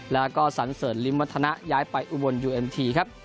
แล้วก็สันเสริญลิ้มวัฒนะย้ายไปอุบลยูเอ็มทีครับ